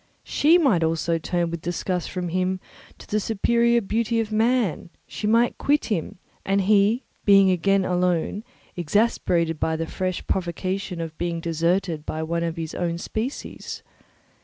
She also might turn with disgust from him to the superior beauty of man; she might quit him, and he be again alone, exasperated by the fresh provocation of being deserted by one of his own species.